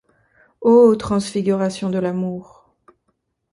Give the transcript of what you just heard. Ô transfigurations de l'amour!